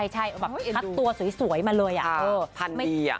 ใช่ขาดตัวสวยมาเลยอ่ะ